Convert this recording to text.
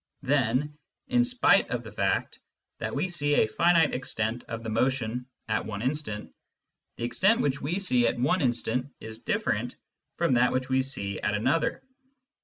Then, in spite of the fact that we see a finite extent of the motion at one instant, the extent which we see at one instant is different from that which we see at another.